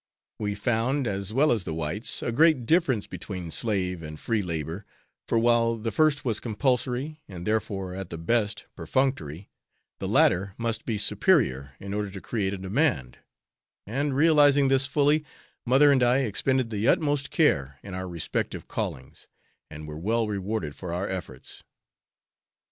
We found, as well as the whites, a great difference between slave and free labor, for while the first was compulsory, and, therefore, at the best, perfunctory, the latter must be superior in order to create a demand, and realizing this fully, mother and I expended the utmost care in our respective callings, and were well rewarded for our efforts.